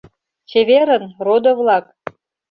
— Чеверын, родо-влак!